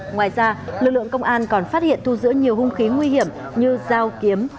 ngoài ra lực lượng công an còn phát hiện thu giữ nhiều hung khí nguy hiểm như dao kiếm